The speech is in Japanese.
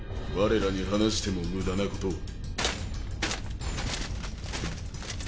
われらに話しても無駄なこと。